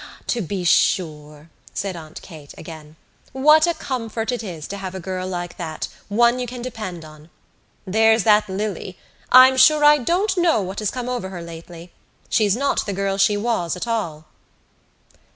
"To be sure," said Aunt Kate again. "What a comfort it is to have a girl like that, one you can depend on! There's that Lily, I'm sure I don't know what has come over her lately. She's not the girl she was at all."